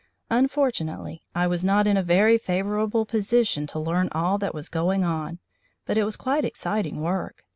Unfortunately I was not in a very favourable position to learn all that was going on, but it was quite exciting work.